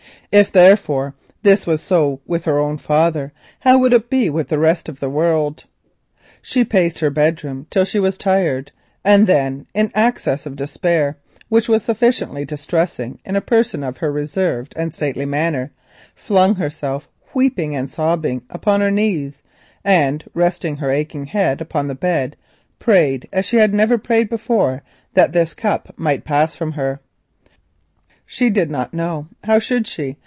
If, therefore, this was so with her own father, how would it be with the rest of the world? She paced her bedroom till she was tired; then, in an access of despair, which was sufficiently distressing in a person of her reserved and stately manner, flung herself, weeping and sobbing, upon her knees, and resting her aching head upon the bed, prayed as she had never prayed before that this cup might pass from her. She did not know—how should she?